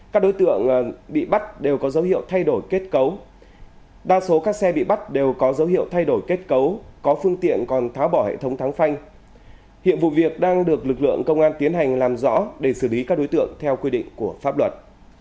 các đối tượng bị bắt đều có dấu hiệu thay đổi kết cấu đa số các xe bị bắt đều có dấu hiệu thay đổi kết cấu có phương tiện còn tháo bỏ hệ thống thắng phanh hiện vụ việc đang được lực lượng công an tiến hành làm rõ để xử lý các đối tượng theo quy định của pháp luật